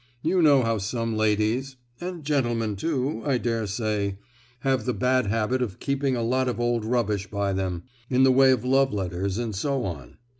You know how some ladies—and gentlemen, too, I daresay—have the bad habit of keeping a lot of old rubbish by them, in the way of love letters and so on.